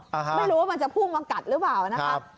ไม่รู้ว่ามันจะพุ่งมากัดหรือเปล่านะครับ